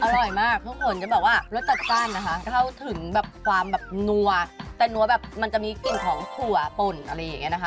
อร่อยมากทุกคนจะแบบว่ารสจัดจ้านนะคะเข้าถึงแบบความแบบนัวแต่นัวแบบมันจะมีกลิ่นของถั่วป่นอะไรอย่างนี้นะคะ